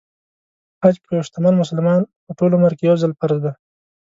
حج په یو شتمن مسلمان په ټول عمر کې يو ځل فرض دی .